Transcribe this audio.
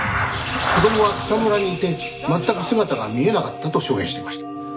子供は草むらにいて全く姿が見えなかったと証言していました。